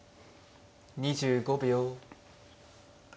２５秒。